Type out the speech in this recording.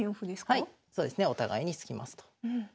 はいそうですね。お互いに突きますと。